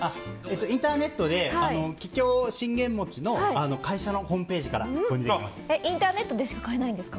インターネットで桔梗信玄餅の会社のホームページから購入できます。